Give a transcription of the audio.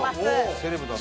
セレブだね。